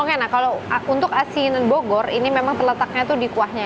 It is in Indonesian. oke nah kalau untuk asinan bogor ini memang terletaknya itu di kuahnya